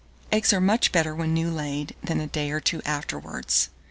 Eggs are much better when new laid than a day or two afterwards.